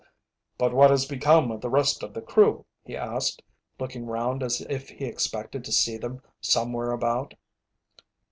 "But what has become of the rest of the crew?" he asked, looking round as if he expected to see them somewhere about.